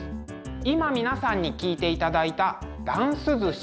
今皆さんに聴いていただいた「ダンス寿司」。